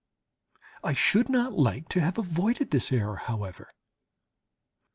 I should not like to have avoided this error however.